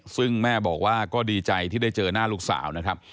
ซึ่งแม่บอกว่าก็ดีใจที่ได้เจอหน้าลูกสาวนะครับ